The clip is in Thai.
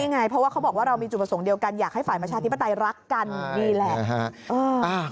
ไงเพราะว่าเขาบอกว่าเรามีจุดประสงค์เดียวกันอยากให้ฝ่ายประชาธิปไตยรักกันนี่แหละ